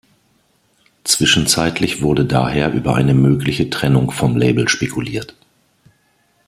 Zwischenzeitlich wurde daher über eine mögliche Trennung vom Label spekuliert.